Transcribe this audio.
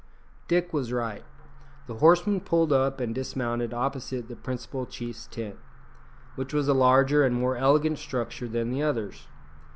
Dick was right. The horsemen pulled up and dismounted opposite the principal chief's tent, which was a larger and more elegant structure than the others.